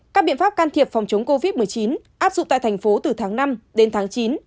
các biện pháp can thiệp phòng chống covid một mươi chín áp dụng tại thành phố từ tháng năm đến tháng chín